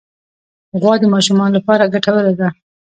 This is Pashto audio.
غوا د ماشومانو لپاره ګټوره ده.